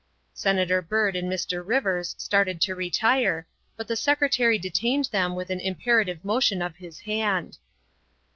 '' Senator Byrd and Mr. Rivers started to retire, but the Secretary detained them with an imperative motion of his hand.